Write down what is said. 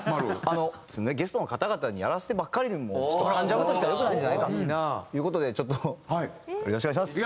ゲストの方々にやらせてばっかりなのもちょっと『関ジャム』としては良くないんじゃないかという事でちょっとよろしくお願いします。